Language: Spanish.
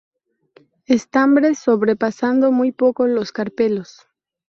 Estambres sobrepasando muy poco los carpelos.